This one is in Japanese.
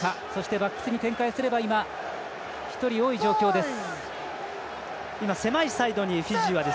バックスに展開すれば今、１人多い状況です。